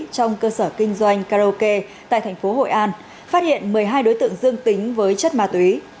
trong cơ sở kinh doanh karaoke tại thành phố hội an phát hiện một mươi hai đối tượng dương tính với chất ma túy